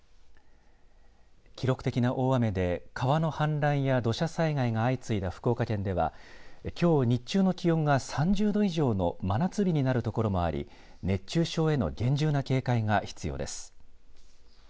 記録的な大雨で川の氾濫や土砂災害が相次いだ福岡県ではきょう日中の気温が３０度以上の真夏日になるところもあり熱中症への厳重な警戒が必要です。